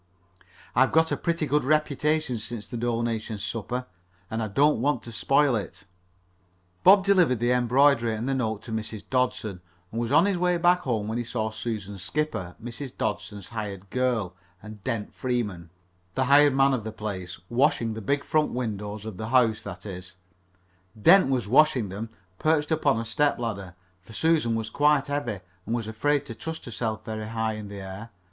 I've got a pretty good reputation since the donation supper, and I don't want to spoil it." Bob delivered the embroidery and note to Mrs. Dodson, and was on his way back home when he saw Susan Skipper, Mrs. Dodson's hired girl, and Dent Freeman, the hired man of the place, washing the big front windows of the house that is, Dent was washing them, perched upon a step ladder, for Susan was quite heavy and was afraid to trust herself very high in the air.